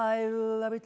「ラヴィット！」